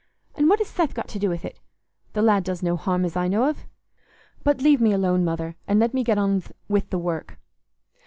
And what has Seth got to do with it? The lad does no harm as I know of. But leave me alone, Mother, and let me get on with the work."